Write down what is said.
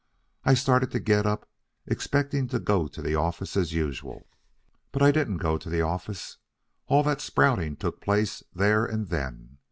I started to get up, expecting to go to the office as usual. But I didn't go to the office. All that sprouting took place there and then.